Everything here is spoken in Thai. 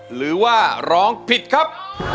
หรือว่าร้องผิดครับ